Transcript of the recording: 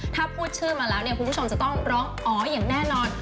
ถ้าพูดชื่อมาแล้วเนี่ยคุณผู้ชมจะต้องร้องอ๋ออย่างแน่นอน